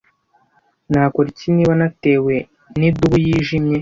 Nakora iki niba natewe nidubu yijimye?